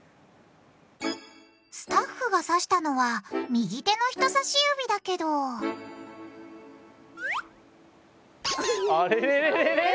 スタッフがさしたのは右手の人さし指だけどあれれれれれれ？